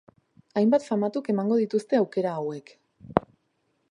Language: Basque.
Hainbat famatuk emango dituzte aukera hauek.